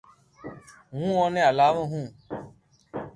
ھون اوني ھلاوُ ھون